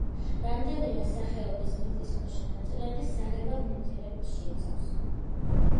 რამდენიმე სახეობის მიწისქვეშა ნაწილები საღებავ ნივთიერებებს შეიცავს.